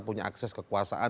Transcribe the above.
punya akses kekuasaan